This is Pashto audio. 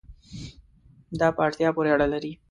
دا په اړتیا پورې اړه لري